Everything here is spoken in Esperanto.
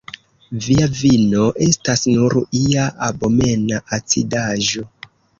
Via vino estas nur ia abomena acidaĵo.